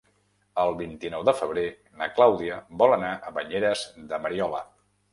El vint-i-nou de febrer na Clàudia vol anar a Banyeres de Mariola.